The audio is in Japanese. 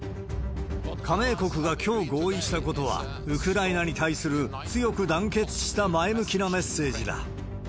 加盟国がきょう合意したことは、ウクライナに対する強く団結した前向きなメッセージだ。